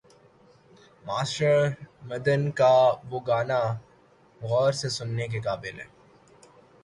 Master Madan کا وہ گانا غور سے سننے کے قابل ہے۔